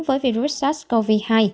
với virus sars cov hai